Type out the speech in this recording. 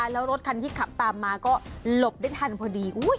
แล้วรถคันที่ขับตามมาก็หลบได้ทันพอดี